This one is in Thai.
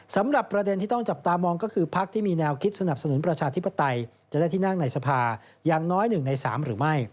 สำหรับประเด็นที่ต้องจับตามองก็คือพักที่มีแนวคิดสนับสนุนประชาธิปไตยจะได้ที่นั่งในสภาอย่างน้อย๑ใน๓หรือไม่